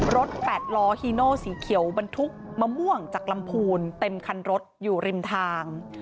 แปดล้อฮีโนสีเขียวบรรทุกมะม่วงจากลำพูนเต็มคันรถอยู่ริมทาง